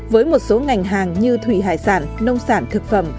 với một số ngành hàng như thủy hải sản nông sản thực phẩm